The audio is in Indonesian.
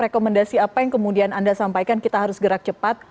rekomendasi apa yang kemudian anda sampaikan kita harus gerak cepat